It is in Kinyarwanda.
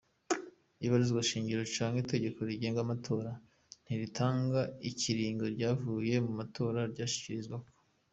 Ibwirizwa shingiro canke itegeko rigenga amatora ntiritanga ikiringo ivyavuye mu matora vyoshikiririzwako.